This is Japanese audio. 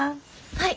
はい。